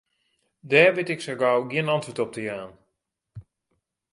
Dêr wit ik sa gau gjin antwurd op te jaan.